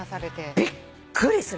びっくりする。